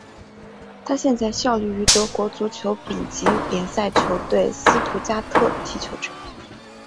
他现在效力于德国足球丙级联赛球队斯图加特踢球者。